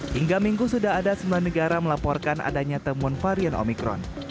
hingga minggu sudah ada sembilan negara melaporkan adanya temuan varian omikron